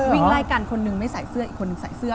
วิ่งไล่กันคนหนึ่งไม่ใส่เสื้ออีกคนนึงใส่เสื้อ